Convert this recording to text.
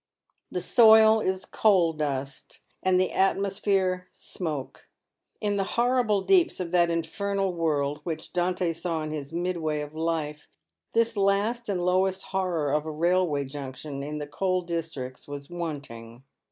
The soil is coal dust, and the atmo sphere smoke. In the horrible deeps of that infernal world which Dante saw in his midway of life, this last and lowest horror of a railway junction in the coal districts was wanting.